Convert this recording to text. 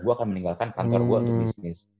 gue akan meninggalkan kantor gue untuk bisnis